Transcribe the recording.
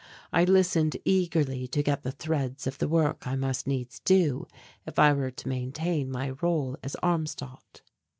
I listened eagerly to get the threads of the work I must needs do if I were to maintain my rôle as Armstadt.